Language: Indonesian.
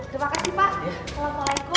terima kasih pak